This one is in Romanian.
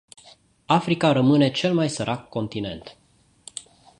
Africa rămâne cel mai sărac continent.